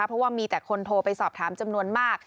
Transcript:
เพราะว่ามีแต่คนโทรไปสอบถามจำนวนมาก